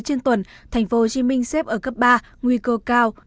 trên tuần thành phố hồ chí minh xếp ở cấp ba nguy cơ cao